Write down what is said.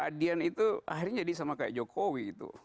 adian itu akhirnya jadi sama kayak jokowi itu